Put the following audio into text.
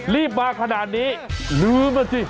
รีบมาขนาดนี้ลืมอ่ะสิ